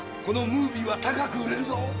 このムービーは高く売れるぞ。